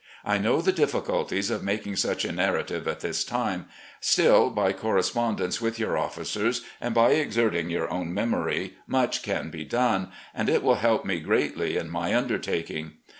I know the difficulties of making such a narrative at this time; still, by correspondence with your officers, and by exerting your own memory, much can be done, and it will help me greatly in my undertaking.